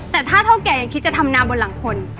แต่ถ้าเท่าแก่ยังคิดจะทำนาบนหลังคน